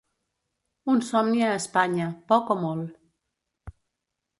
Un somni a Espanya, poc o molt.